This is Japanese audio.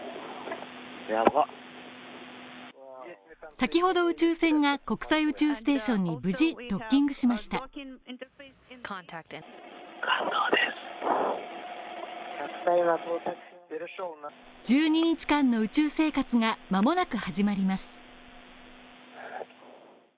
先ほど宇宙船が国際宇宙ステーションに無事ドッキングしました１２日間の宇宙生活がまもなく始まります